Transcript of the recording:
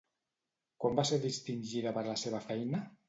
Quan va ser distingida per la seva feina?